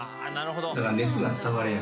だから熱が伝わりやすい。